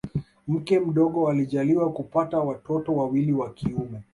Mke mdogo alijaliwa kupata watoto wawili wa kiume